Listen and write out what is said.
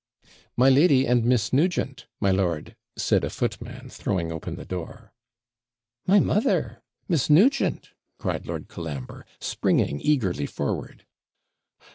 'My lady and Miss Nugent, my lord,' said a footman, throwing open the door. 'My mother! Miss Nugent!' cried Lord Colambre, springing eagerly forward.